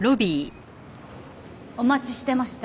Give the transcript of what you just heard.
お待ちしてました。